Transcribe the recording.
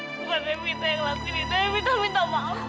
bukan evita yang lakuin ini tante evita minta maaf